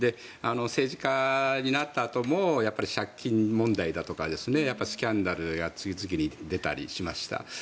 政治家になったあとも借金問題だとかスキャンダルが次々に出たりしました。